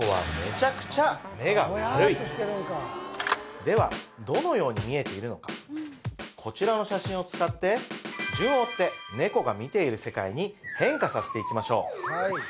そう猫はではどのように見えているのかこちらの写真を使って順を追って猫が見ている世界に変化させていきましょう